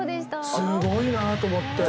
すごいなと思って。